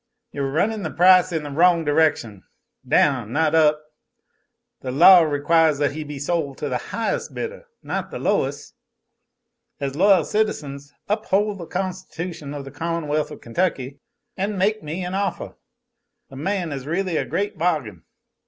"You're runnin' the price in the wrong direction down, not up. The law requires that he be sole to the highes' biddah, not the lowes'. As loyal citizens, uphole the constitution of the commonwealth of Kentucky an' make me an offah; the man is really a great bargain.